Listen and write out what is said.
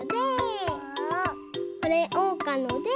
これおうかので。